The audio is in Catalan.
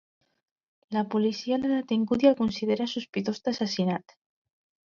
La policia l’ha detingut i el considera sospitós d’assassinat.